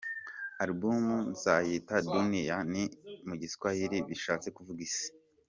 Album nzayita « Dunia » ni mu Giswahili bishatse kuvuga « Isi ».